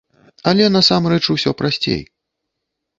Але насамрэч усё прасцей.